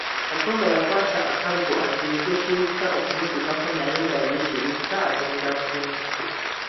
Katumba yakwata akaggo aziyize Kiwutta okumutuukako naye nga ye Kiwutta agenda bugenzi.